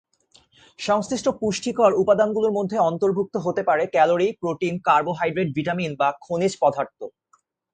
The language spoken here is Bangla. সংশ্লিষ্ট পুষ্টিকর উপাদানগুলোর মধ্যে অন্তর্ভুক্ত হতে পারে: ক্যালরি, প্রোটিন, কার্বোহাইড্রেট, ভিটামিন বা খনিজ পদার্থ।